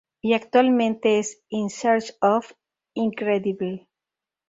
Y actualmente es "In Search of Incredible.